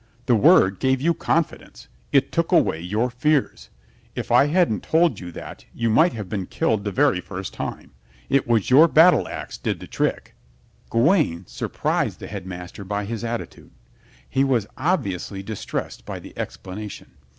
The word gave you confidence. It took away your fears. If I hadn't told you that you might have been killed the very first time. It was your battle ax did the trick." Gawaine surprised the Headmaster by his attitude. He was obviously distressed by the explanation.